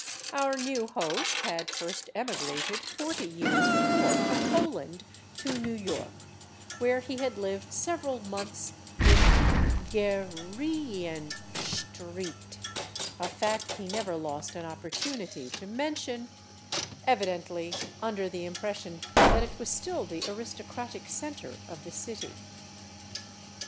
Our new host had first emigrated forty years before from Poland to New York, where he had lived several months in " Ghe r reen Schtreet," a fact he never lost an opportunity to mention, evidently under the im pression that it was still the aristocratic center of the city.